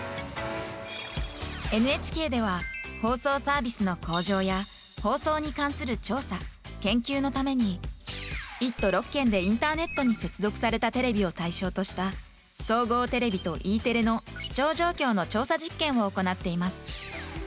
ＮＨＫでは放送サービスの向上や放送に関する調査・研究のために１都６県でインターネットに接続されたテレビを対象とした総合テレビとＥテレの視聴状況の調査実験を行っています。